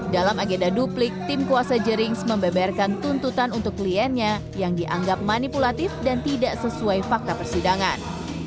dalam agenda duplik tim kuasa jerings membeberkan tuntutan untuk kliennya yang dianggap manipulatif dan tidak sesuai fakta persidangan